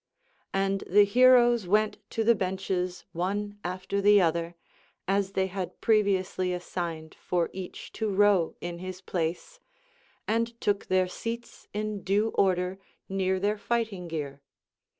And the heroes went to the benches one after the other, as they had previously assigned for each to row in his place, and took their seats in due order near their fighting gear.